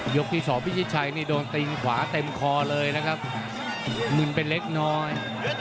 ยกที่๒พี่ชิดชัยโดนตีนขวาเต็มคอเลยนะครับมึนเป็นเล็กน้อย